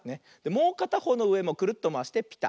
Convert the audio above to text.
もうかたほうのうでもクルッとまわしてピタッ。